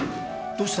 どうした？